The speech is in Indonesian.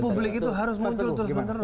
publik itu harus muncul terus menerus